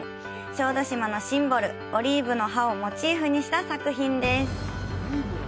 小豆島のシンボル・オリーブの葉をモチーフにした作品です。